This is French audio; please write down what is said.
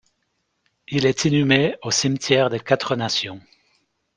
Il est inhumé au cimetière des Quatre-Nations.